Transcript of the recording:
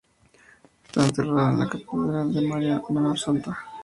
Está enterrado en la Catedral de María la Menor Santa.